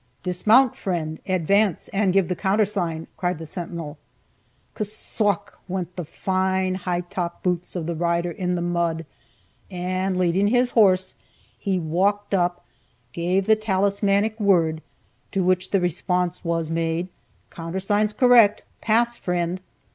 "Dismount, friend, advance, and give the countersign!" cried the sentinel. Kuh sock, went the fine, high top boots of the rider in the mud, and leading his horse, he walked up, gave the talismanic word, to which the response was made, "Countersign's correct! Pass, friend."